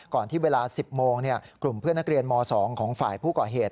ที่เวลา๑๐โมงกลุ่มเพื่อนนักเรียนม๒ของฝ่ายผู้ก่อเหตุ